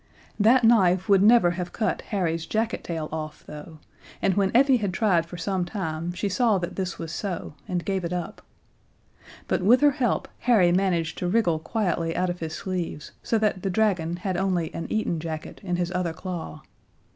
That knife would never have cut Harry's jacket tail off, though, and when Effie had tried for some time she saw that this was so and gave it up. But with her help Harry managed to wriggle quietly out of his sleeves, so that the dragon had only an Eton jacket in his other claw.